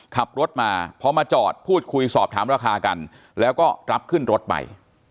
ขับรถมาพอมาจอดพูดคุยสอบถามราคากันแล้วก็รับขึ้นรถไป